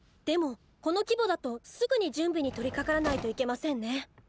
でもこの規模だとすぐに準備に取りかからないといけませんね。